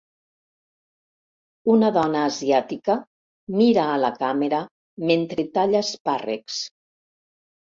Una dona asiàtica mira a la càmera mentre talla espàrrecs.